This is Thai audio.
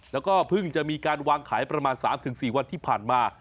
แล้วก็เพิ่งจะมีการวางขายประมาณ๓๔วันที่ผ่านมา